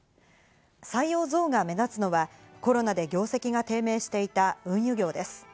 採用増が目立つのはコロナで業績が低迷していた運輸業です。